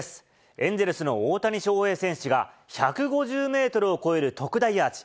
エンゼルスの大谷翔平選手が、１５０メートルを超える特大アーチ。